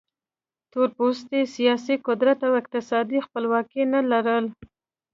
تور پوستو سیاسي قدرت او اقتصادي خپلواکي نه لرل.